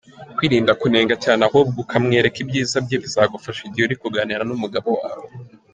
Kwirinda kunenga cyane ahubwo ukamwereka ibyiza bye bizagufasha igihe uri kuganira n’umugabo wawe.